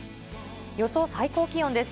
予想最高気温です。